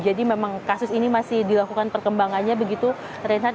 jadi memang kasus ini masih dilakukan perkembangannya begitu reinhardt